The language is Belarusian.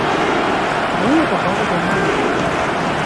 Мыла папала яму ў вока.